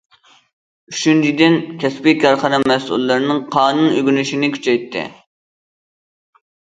ئۈچىنچىدىن، كەسپىي كارخانا مەسئۇللىرىنىڭ قانۇن ئۆگىنىشىنى كۈچەيتتى.